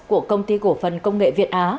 của công ty cổ phần công nghệ việt á